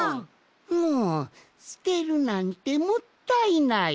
もうすてるなんてもったいない。